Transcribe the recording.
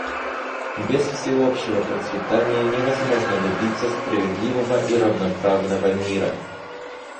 Без всеобщего процветания невозможно добиться справедливого и равноправного мира.